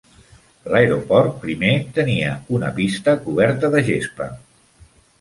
L'aeroport primer tenia una pista coberta de gespa.